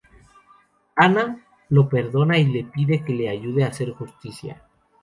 Ana lo perdona y le pide que la ayude a hacer justicia.